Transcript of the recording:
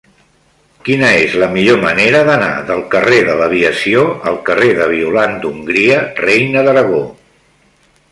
Quina és la millor manera d'anar del carrer de l'Aviació al carrer de Violant d'Hongria Reina d'Aragó?